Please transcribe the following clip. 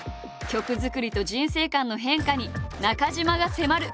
曲作りと人生観の変化に中島が迫る！